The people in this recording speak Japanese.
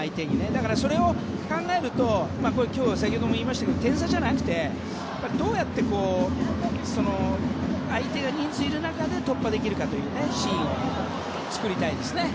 だからそれを考えると今日は先ほども言いましたけど点差じゃなくて、どうやって相手の人数がいる中で突破できるかというシーンを作りたいですね。